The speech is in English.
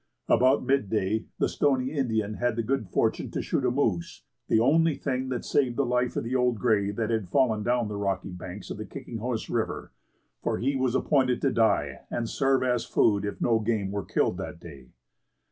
About mid day the Stoney Indian had the good fortune to shoot a moose, the only thing that saved the life of the old gray that had fallen down the rocky banks of the Kicking Horse River, for he was appointed to die, and serve as food if no game were killed that day.